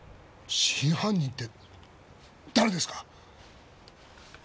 真犯人って誰ですか！？